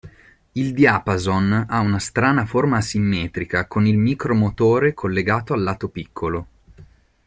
Il "diapason" ha una strana forma asimmetrica con il micro-motore collegato al lato piccolo.